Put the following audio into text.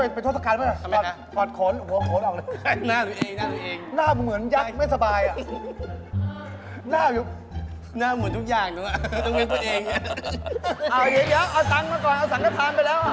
เอาตังค์เอาตังค์มาก่อนเอาสังขทานไปแล้ว